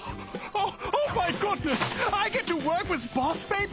あっ！